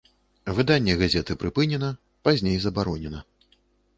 Выданне газеты прыпынена, пазней забаронена.